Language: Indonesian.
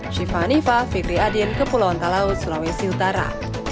syifa hanifah fikri adin kepulauan talaut sulawesi utara